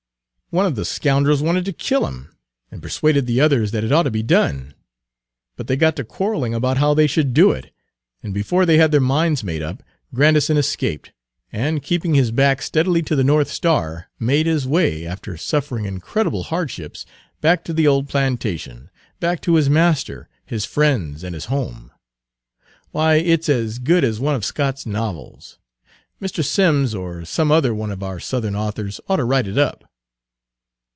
One of the Page 199 scoundrels wanted to kill him, and persuaded the others that it ought to be done; but they got to quarreling about how they should do it, and before they had their minds made up Grandison escaped, and, keeping his back steadily to the North Star, made his way, after suffering incredible hardships, back to the old plantation, back to his master, his friends, and his home. Why, it's as good as one of Scott's novels! Mr. Simms or some other one of our Southern authors ought to write it up."